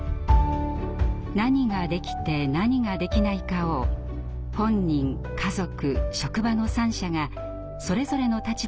「何ができて何ができないか」を本人・家族・職場の三者がそれぞれの立場で確認します。